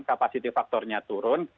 kapasitas faktornya turun